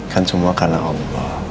kan semua karena allah